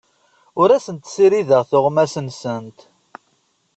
Ur asent-ssirideɣ tuɣmas-nsent.